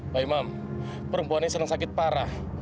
pak imam perempuan ini sedang sakit parah